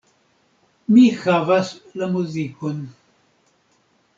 Mi havas la muzikon.